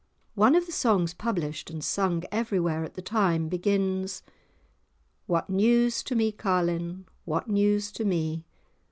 One of the songs published and sung everywhere at the time, begins:— "What news to me, carlin'? What news to me?"